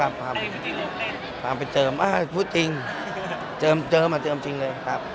ใบเติมเอ่ยปุ๊บจริงเจิมเจิมเจิมจริงเลยครับ